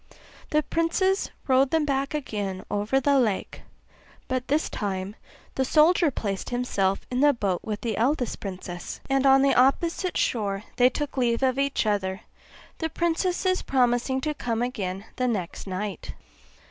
The princes rowed them back again over the lake (but this time the soldier placed himself in the boat with the eldest princess); and on the opposite shore they took leave of each other, the princesses promising to come again the next night.